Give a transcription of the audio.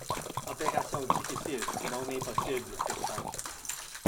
Opération difficile, non impossible, pourtant.